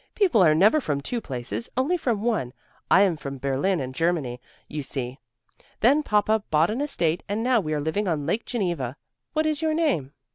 "People are never from two places, only from one. I am from Berlin, in Germany, you see. Then Papa bought an estate and now we are living on Lake Geneva. What is your name?"